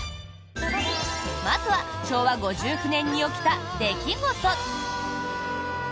まずは昭和５９年に起きた出来事。